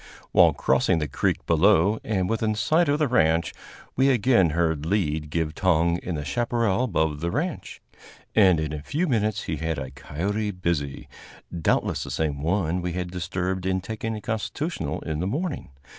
While crossing the creek below, and within sight of the ranch, we again heard Lead give tongue in the chaparral above the ranch, and in a few minutes he had a coyote busy, doubtless the same one we had disturbed in taking a constitutional in the morning.